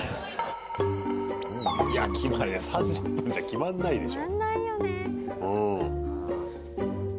いや３０分じゃ決まんないでしょ。